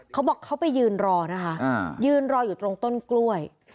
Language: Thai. เขาบอกเขาไปยืนรอนะคะยืนรออยู่ตรงต้นกล้วย